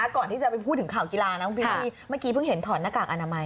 ก่อนที่จะไปพูดถึงข่าวกีฬานะคุณวิชี่เมื่อกี้เพิ่งเห็นถอดหน้ากากอนามัย